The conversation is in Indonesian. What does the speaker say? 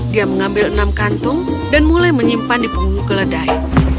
dia mengambil enam kantung dan mulai menyimpan di punggung keledai